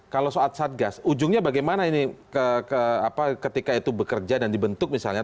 kalau soal satgas ujungnya bagaimana ini ketika itu bekerja dan dibentuk misalnya